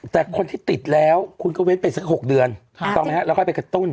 แต่คนที่ติดแล้วคุณก็เว้นไปสัก๖เดือนถูกต้องไหมฮะแล้วค่อยไปกระตุ้น